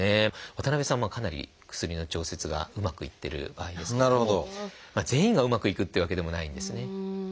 渡辺さんはかなり薬の調節がうまくいってる場合ですけれども全員がうまくいくってわけでもないんですね。